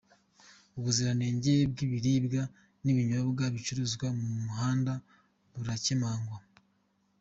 Ubuziranenge bw’ibiribwa n’ibinyobwa bicururizwa mu muhanda burakemangwa